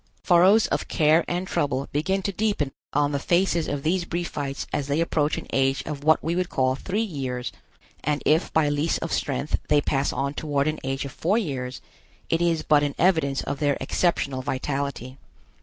Furrows of care and trouble begin to deepen on the faces of these Briefites as they approach an age of what we would call three years, and if by lease of strength they pass on toward an age of four years, it is but an evidence of their exceptional vitality.